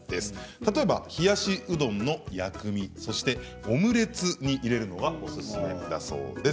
例えば、冷やしうどんの薬味そしてオムレツに入れるのがおすすめだそうです。